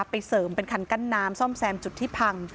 ไปเสริมเป็นคันกั้นน้ำซ่อมแซมจุดที่พัง